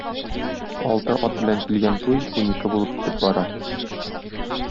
Алты ат белән килгән туй унике булып китеп бара.